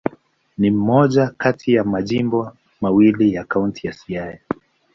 Ni moja kati ya majimbo mawili ya Kaunti ya Siaya.